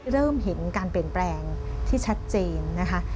เริ่มเห็นการเปลี่ยนแปลงที่ชัดเจนนะคะ